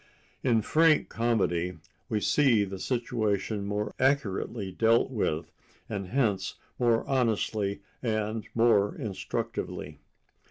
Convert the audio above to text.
In frank comedy we see the situation more accurately dealt with and hence more honestly and more instructively.